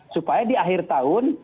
supaya di akhir tahun